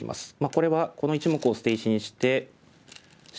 これはこの１目を捨て石にしてシボリですね。